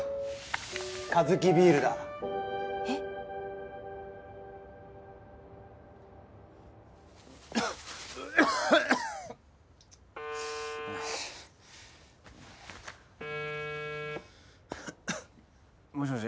カヅキビールだ。えっ。もしもし？